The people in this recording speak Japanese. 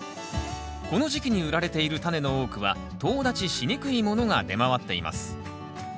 この時期に売られているタネの多くはとう立ちしにくいものが出回っています。